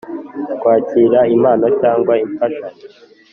Kwakira impano cyangwa impfashanyo